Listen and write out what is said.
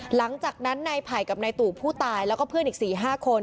หลังจากนั้นนายไผ่กับนายตู่ผู้ตายแล้วก็เพื่อนอีก๔๕คน